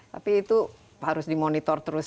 tapi itu harus dimonitor terus